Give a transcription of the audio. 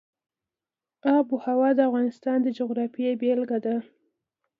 آب وهوا د افغانستان د جغرافیې بېلګه ده.